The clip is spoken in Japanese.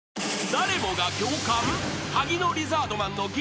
［誰もが共感］